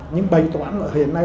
những bày toán ở hiện nay